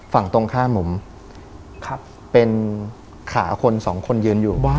ฝั่งตรงข้ามผมเป็นขาคนสองคนยืนอยู่